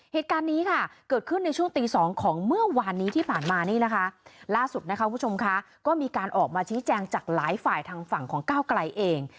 เหตุการณ์นี้เกิดขึ้นในช่วงตีสองของเมื่อวานที่ผ่านมาล่าสุดก็มีการออกมาชิ้นแจงจากหลายฝ่ายทางฝั่งของเกล้ากระไกรเอง